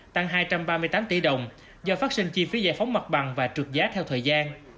tăng hai trăm ba mươi tám tỷ đồng do phát sinh chi phí giải phóng mặt bằng và trượt giá theo thời gian